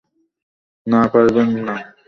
না, পারবেন না।